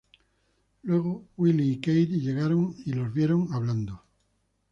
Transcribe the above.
Luego, Willie y Kate llegaron y los vieron hablando.